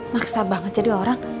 maksa banget jadi orang